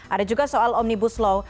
ada juga soal omnibus law